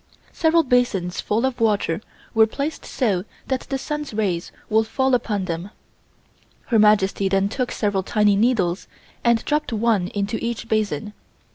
Several basins full of water were placed so that the sun's rays would fall upon them. Her Majesty then took several tiny needles and dropped one into each basin.